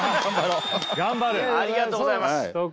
ありがとうございます。